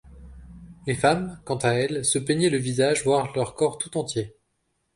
Les femmes, quant à elles se peignaient le visage voire leur corps tout entier.